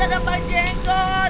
aduh mami takut